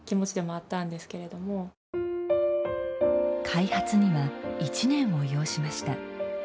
開発には一年を要しました。